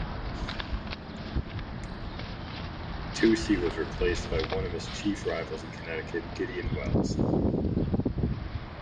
Toucey was then replaced by one of his chief rivals in Connecticut, Gideon Welles.